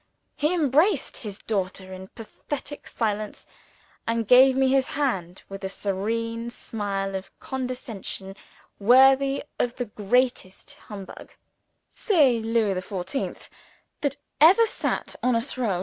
He embraced his daughter in pathetic silence, and gave me his hand with a serene smile of condescension worthy of the greatest humbug (say Louis the Fourteenth) that ever sat on a throne.